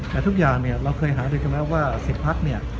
แต่ทุกอย่างเนี่ยเราเคยหาด้วยกันแล้วว่า๑๐ภักดิ์เนี่ย